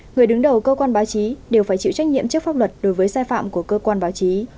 người đứng đầu cơ quan báo chí đều phải chịu trách nhiệm trước pháp luật đối với sai phạm của cơ quan báo chí